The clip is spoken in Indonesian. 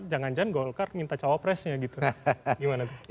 jangan jangan golkar minta cawapresnya gitu gimana tuh